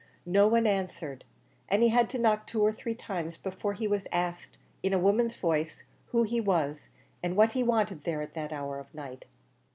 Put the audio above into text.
No one answered, and he had to knock two or three times before he was asked in a woman's voice who he was, and what he wanted there at that hour of the night.